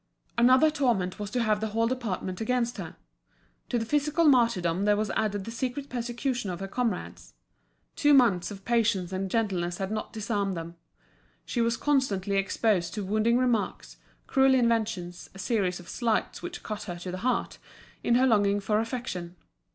Another torment was to have the whole department against her. To the physical martyrdom there was added the secret persecution of her comrades. Two months of patience and gentleness had not disarmed them. She was constantly exposed to wounding remarks, cruel inventions, a series of slights which cut her to the heart, in her longing for affection.